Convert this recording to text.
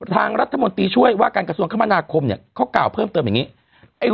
ทางรัฐมนตรีช่วยว่าการกระทรวงคมนาคมเนี่ยเขากล่าวเพิ่มเติมอย่างนี้